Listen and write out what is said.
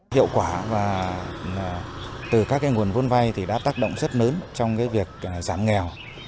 hiệu quả từ các nguồn vốn vay đã tác động rất lớn trong việc giảm nghèo